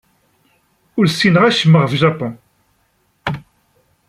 Ur ssineɣ acemma ɣef Japun.